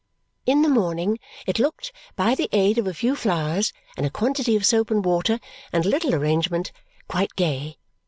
In the morning it looked, by the aid of a few flowers and a quantity of soap and water and a little arrangement, quite gay.